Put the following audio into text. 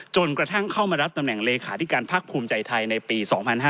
จนกระทั่งเข้ามารับตำแหน่งเลขาธิการพักภูมิใจไทยในปี๒๕๕๙